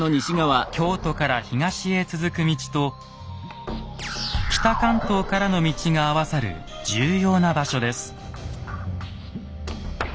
京都から東へ続く道と北関東からの道が合わさる重要な場所です。